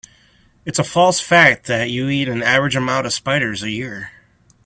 It's a false fact that you eat an average amount of spiders a year.